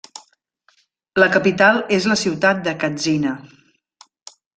La capital és la ciutat de Katsina.